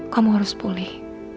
kamu harus pulih